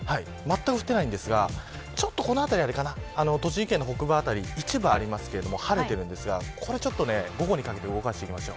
まったく降っていませんがこの辺り栃木県の北部辺り一部ありますが晴れているんですが午後にかけて動かしていきます。